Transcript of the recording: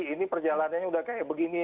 ini perjalanannya udah kayak begini